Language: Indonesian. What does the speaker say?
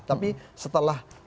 tapi setelah sikatnya